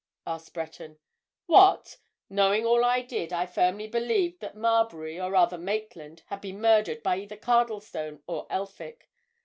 asked Breton. "What! Knowing all I did, I firmly believed that Marbury, or, rather, Maitland, had been murdered by either Cardlestone or Elphick.